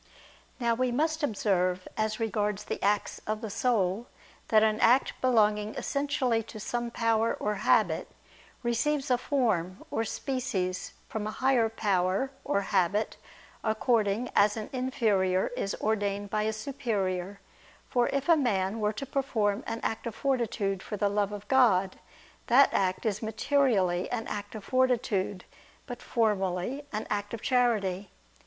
Now we must observe, as regards the acts of the soul, that an act belonging essentially to some power or habit, receives a form or species from a higher power or habit, according as an inferior is ordained by a superior: for if a man were to perform an act of fortitude for the love of God, that act is materially an act of fortitude, but formally, an act of charity.